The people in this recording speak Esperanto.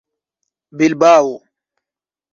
bilbao